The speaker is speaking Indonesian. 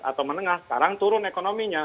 atau menengah sekarang turun ekonominya